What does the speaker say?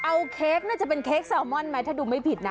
เอาเค้กน่าจะเป็นเค้กแซลมอนไหมถ้าดูไม่ผิดนะ